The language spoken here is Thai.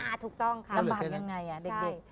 อ่าถูกต้องค่ะลำบากได้เลยเล่นกันเด็กป่ะลำบากเยอะนะ